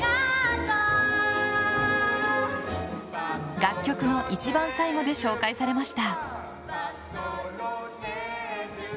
楽曲の一番最後で紹介されました。